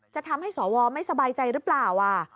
จะทำให้สวไม่สบายใจหรือเปล่า